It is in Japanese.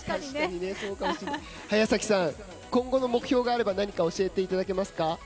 早崎さん、今後の目標があれば何か教えていただけますか？